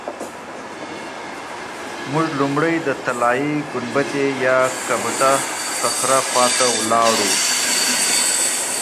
موږ لومړی د طلایي ګنبدې یا قبة الصخره خوا ته ولاړو.